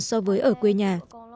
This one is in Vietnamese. so với ở quê nhà